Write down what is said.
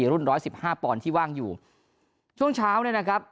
รุ่นร้อยสิบห้าปอนด์ที่ว่างอยู่ช่วงเช้าเนี่ยนะครับ